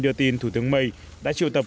đưa tin thủ tướng may đã triệu tập